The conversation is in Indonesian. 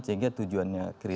sehingga tujuannya kritik